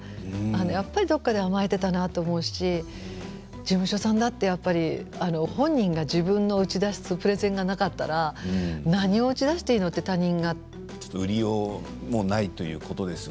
やっぱりどこかで甘えていたと思うし事務所さんだって本人が自分の打ち出すプレゼンがなかったら売りがないということです